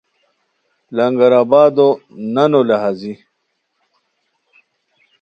لنگر آبادو نا نو لہازی